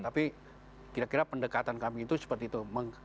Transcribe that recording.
tapi kira kira pendekatan kami itu seperti itu